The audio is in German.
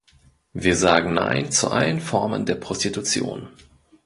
Wir sagen Nein zu allen Formen der Prostitution.